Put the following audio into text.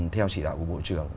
theo chỉ đạo của bộ trưởng